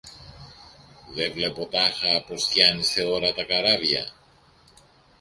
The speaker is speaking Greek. Δε βλέπω τάχα πως φτιάνεις θεόρατα καράβια;